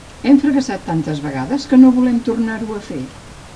Hem fracassat tantes vegades que no volem tornar-ho a fer.